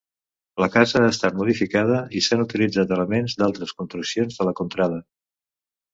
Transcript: La casa ha estat modificada i s'han utilitzat elements d'altres construccions de la contrada.